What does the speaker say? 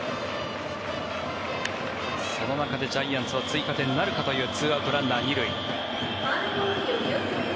その中でジャイアンツは追加点なるかという２アウト、ランナー２塁。